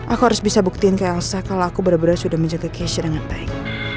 aku harus bisa buktiin kayasa kalau aku benar benar sudah menjaga casher dengan baik